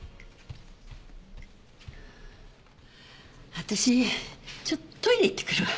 私ちょっとトイレ行ってくるわ。